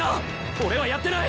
俺はやってない！